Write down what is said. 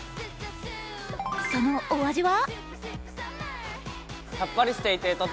そのお味は？